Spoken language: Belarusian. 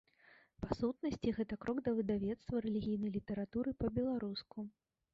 Па сутнасці, гэта крок да выдавецтва рэлігійнай літаратуры па-беларуску.